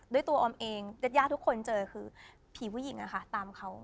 ด้วยตัวออมเองญาติญาติทุกคนเจอคือผีผู้หญิงอะค่ะตามเขา